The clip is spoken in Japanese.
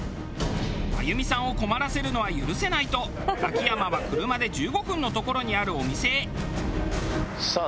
真由美さんを困らせるのは許せないと秋山は車で１５分の所にあるお店へ。